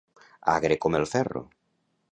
Agre com el ferro.